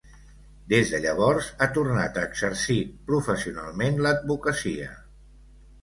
Des de llavors ha tornat a exercir professionalment l'advocacia.